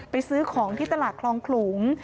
ซื้อของที่ตลาดคลองขลุง